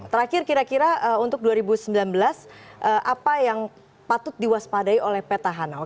terakhir kira kira untuk dua ribu sembilan belas apa yang patut diwaspadai oleh petahana